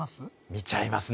見ちゃいますね。